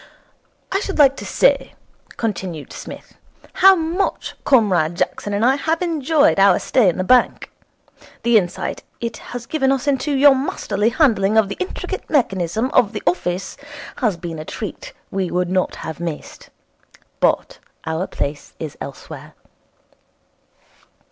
'I should like to say,' continued Psmith, 'how much Comrade Jackson and I have enjoyed our stay in the bank. The insight it has given us into your masterly handling of the intricate mechanism of the office has been a treat we would not have missed. But our place is elsewhere.'